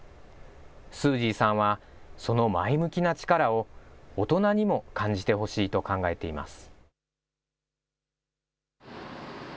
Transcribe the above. スージーさんは、その前向きな力を大人にも感じてほしいと考えています。